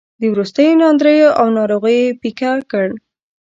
د وروستیو ناندریو او ناروغیو پېکه کړ.